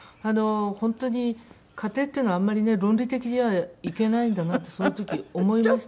本当に家庭っていうのはあんまりね論理的じゃいけないんだなってその時思いましたね。